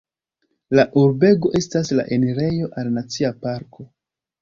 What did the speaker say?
La urbego estas la enirejo al Nacia Parko.